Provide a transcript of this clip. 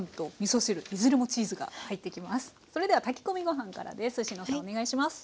それでは炊き込みご飯からです。